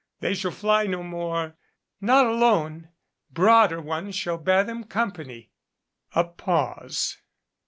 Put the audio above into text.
They shall fly no more " "Not alone broader ones shall bear them company." A pause.